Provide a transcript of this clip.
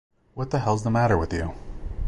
What the hell's the matter with you?